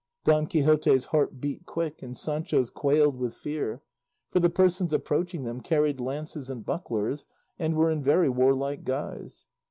Don Quixote's heart beat quick and Sancho's quailed with fear, for the persons approaching them carried lances and bucklers, and were in very warlike guise.